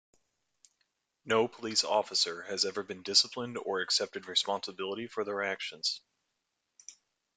No police officer has ever been disciplined or accepted responsibility for their actions.